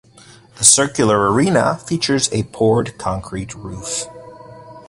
The circular arena features a poured concrete roof.